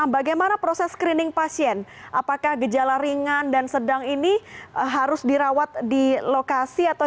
bagaimana proses screening pasien apakah gejala ringan dan sedang ini harus dirawat di lokasi atau